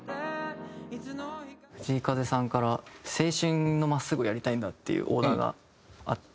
藤井風さんから「青春を真っすぐやりたいんだ」っていうオーダーがあって。